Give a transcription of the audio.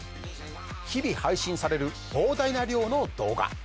日々配信される膨大な量の動画。